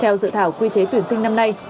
theo dự thảo quy chế tuyển sinh năm nay